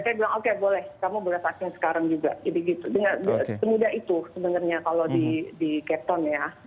jadi gitu semudah itu sebenarnya kalau di cape town ya